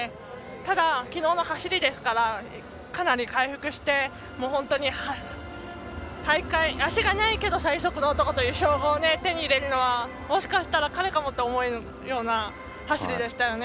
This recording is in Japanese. ただ、きのうの走りですからかなり回復して本当に足がないけど最速の男という称号を手に入れるのはもしかしたら彼かもという走りでしたよね。